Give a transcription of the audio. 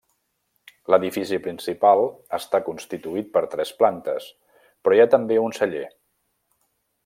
L'edifici principal està constituït per tres plantes, però hi ha també un celler.